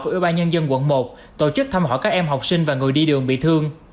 của ủy ban nhân dân quận một tổ chức thăm hỏi các em học sinh và người đi đường bị thương